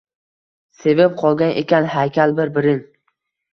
Sevib qolgan ekan haykal bir-birin…